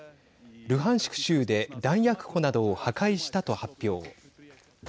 ルハンシク州で弾薬庫などを破壊したと発表。